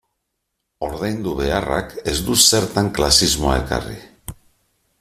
Ordaindu beharrak ez du zertan klasismoa ekarri.